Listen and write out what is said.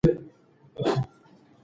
دا ستا خبري او ښكنځاوي ګراني!